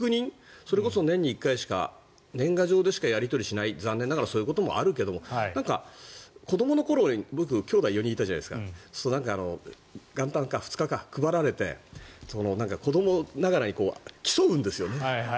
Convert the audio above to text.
それこそ年に１回しか年賀状でしかやり取りしない残念ながらそういうこともあるけれど子どもの頃僕は兄弟４人いたじゃないですかそれで元旦とか２日に配られて子どもながらに競うんですよね。